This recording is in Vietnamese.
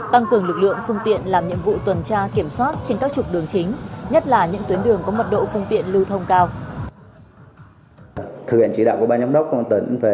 tăng cường lực lượng phương tiện làm nhiệm vụ tuần tra kiểm soát trên các trục đường chính